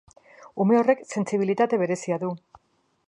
Ume horrek sentsibilitate berezia du.